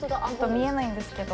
見えないんですけど。